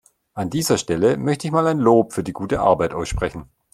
An dieser Stelle möchte ich mal ein Lob für die gute Arbeit aussprechen.